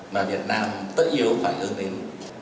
mà việt nam tất nhiên phải hướng đến